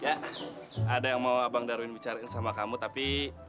ada yang mau abang darwin bicarain sama kamu tapi